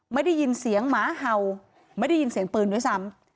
ไม่ได้ยินเสียงหมาเห่าไม่ได้ยินเสียงปืนด้วยซ้ำ